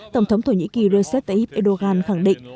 tổng thống thổ nhĩ kỳ recep tayyip erdogan khẳng định